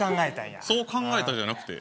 そう考えた、やなくて。